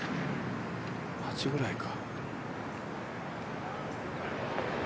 ８ぐらいか。